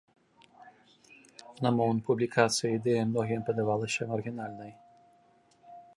На момант публікацыі ідэя многім падавалася маргінальнай.